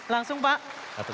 langsung saja pak